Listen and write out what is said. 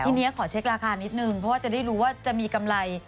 ทีนี้ขอเช็คราคานิดนึงเพราะว่าจะได้รู้ว่าจะมีกำไร